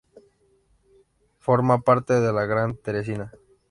Forma parte de la Gran Teresina.